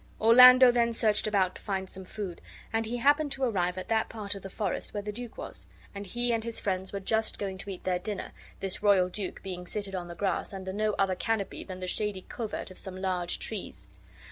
Orlando then searched about to find some food, and he happened to arrive at that part of the forest where the duke was; and he and his friends were just going to eat their dinner, this royal duke being seated on the grass, under no other canopy than the shady covert of some large trees.